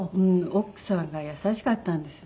奥さんが優しかったんですね。